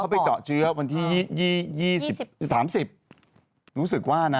ไปเจาะเชื้อวันที่๒๓๐รู้สึกว่านะ